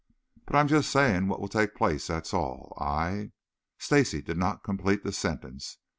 "But I am just saying what will take place, that's all. I " Stacy did not complete the sentence.